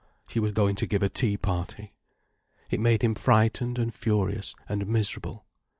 She was going to give a tea party. It made him frightened and furious and miserable.